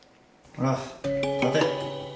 ほら立て。